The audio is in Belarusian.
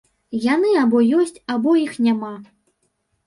Яны або ёсць, або іх няма.